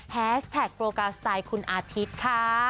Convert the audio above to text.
แฮชแท็กโปรกาสไตล์คุณอาทิตย์ค่ะ